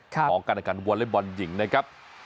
ของการกันวนและบอลหญิงนะครับ